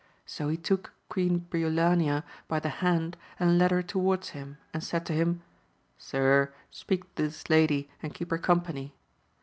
So he took Queen Briolania by the hand, and led her towards him, and said to him. Sir, speak to this lady and keep her company.